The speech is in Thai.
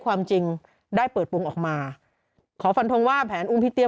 ความจริงได้เปิดปรุงออกมาขอฟันทงว่าแผนอุ้มพี่เตี้